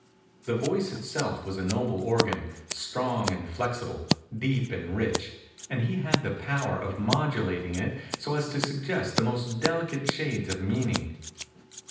The voice itself was a noble organ, strong and flexible, deep and rich; and he had the power of modulating it so as to suggest the most delicate shades of mean ing.